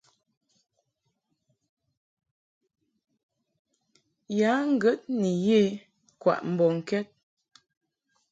Ya ŋgəd ni ye kwaʼ mbɔŋkɛd.